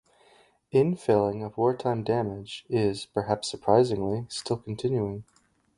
Infilling of wartime damage is, perhaps surprisingly, still continuing.